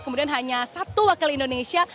kemudian hanya satu wakil indonesia